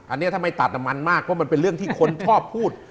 อันนี้ถ้าไม่ตัดมันมากเพราะมันเป็นเรื่องที่คนชอบพูด